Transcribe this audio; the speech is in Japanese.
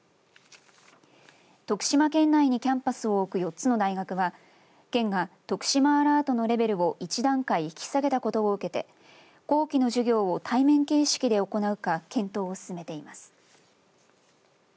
徳島県内にキャンパスを置く４つの大学は県がとくしまアラートのレベルを１段階引き下げたことを受けて後期の授業を対面形式で行うか検討を進めています。